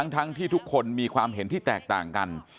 ทั้งที่ทุกคนมีความเห็นที่แตกต่างกัน